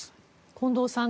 近藤さん